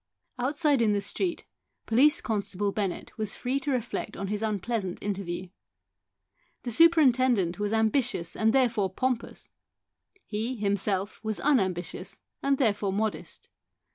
Outside in the street, Police constable Bennett was free to reflect on his unpleasant interview. The superintendent was ambitious and therefore pompous ; he, himself, was unambitious and therefore modest.